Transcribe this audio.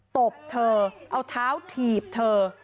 ตบเธอเอาเท้าถีบเธอ